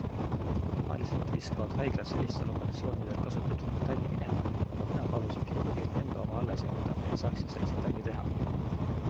Tavaliselt viskavad haiglad sellistel operatsioonidel kasutatud metalli minema, aga mina palusin kirurgil enda oma alles jätta, et saaksin sellest midagi teha.